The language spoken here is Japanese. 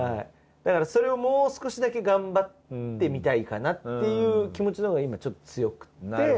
だからそれをもう少しだけ頑張ってみたいかなっていう気持ちのほうが今ちょっと強くって。